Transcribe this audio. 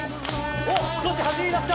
少し走り出した。